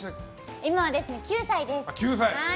今は９歳です。